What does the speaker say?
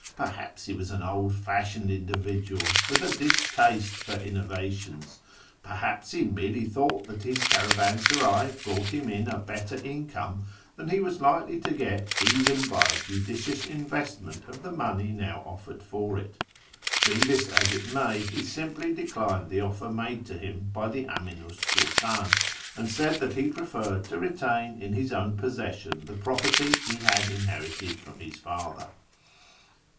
Perhaps he was an old fashioned individual, with a distaste for innova tions ; perhaps he merely thought that his caravansaray brought liim in a better income than he was likely to get even by a judicious investment of the money now offered for it. Be this as it may, he simply declined the offer made to him by the Aminu 's Sultdn, and said that he j^referred to retain in his own possession the property he had inherited from his father.